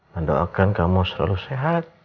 mendoakan kamu selalu sehat